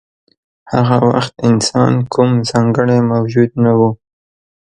هغه وخت انسان کوم ځانګړی موجود نه و.